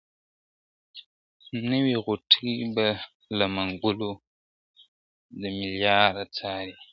نوي غوټۍ به له منګولو د ملیاره څارې ,